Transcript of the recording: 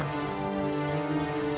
harganya juga bagus